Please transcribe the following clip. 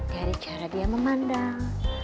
dari cara dia memandang